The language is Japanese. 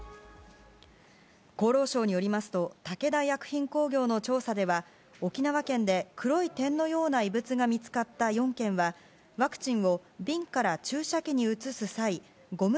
厚労省によりますと武田薬品工業の調査では沖縄県で、黒い点のような異物が見つかった４件はワクチンを瓶から注射器に移す際ゴム